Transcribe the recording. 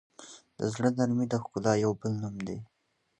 د زړه نرمي د ښکلا یو بل نوم دی.